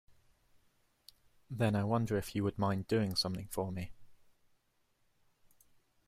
Then I wonder if you would mind doing something for me.